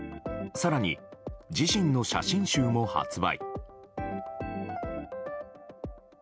更に、自身の写真集も発売。